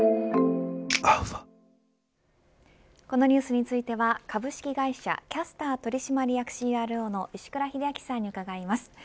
このニュースについては株式会社キャスター取締役ＣＲＯの石倉秀明さんに伺います。